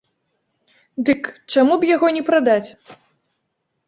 Дык чаму б яго не прадаць?